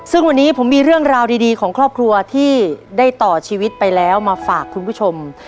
ซึ่งวันนี้ผมมีเรื่องราวดีของครอบครัวที่ได้ต่อชีวิตไปแล้วมาฝากคุณผู้ชม